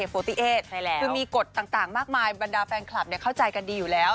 ติเอสคือมีกฎต่างมากมายบรรดาแฟนคลับเข้าใจกันดีอยู่แล้ว